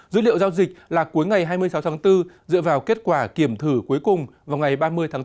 dữ liệu giao dịch là cuối ngày hai mươi sáu tháng bốn dựa vào kết quả kiểm thử cuối cùng vào ngày ba mươi tháng bốn